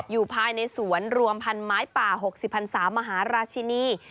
อยู่ภายในสวนรวมพันไม้ป่า๖๐พันศามหาราชินี